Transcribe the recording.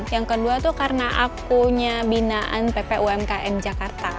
yang kedua tuh karena akunya binaan ppumkm jakarta